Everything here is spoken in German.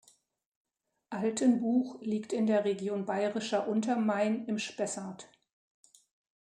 Altenbuch liegt in der Region Bayerischer Untermain im Spessart.